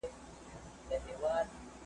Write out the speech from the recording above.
په ککړو په مستیو په نارو سوه ,